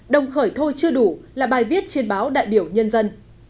đồng khởi thôi chưa đủ là bài viết trên báo đại biểu nhân dân